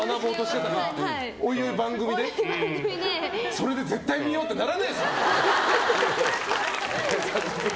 それで絶対見よう！ってならないっすもん。